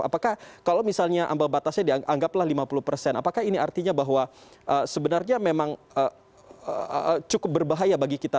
apakah kalau misalnya ambang batasnya dianggaplah lima puluh persen apakah ini artinya bahwa sebenarnya memang cukup berbahaya bagi kita